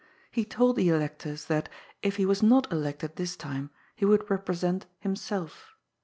He told the electors that, if he was not elected this time, he would re present himself.